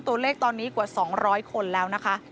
ตัวเลขตอนนี้กว่า๒๐๐คนแล้วนะคะ